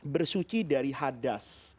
bersuci dari hadas